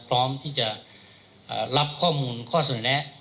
พร้อมที่จะรับข้อมูลข้อเสนอแนะ